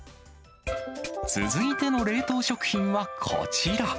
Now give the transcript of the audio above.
続いての冷凍食品はこちら。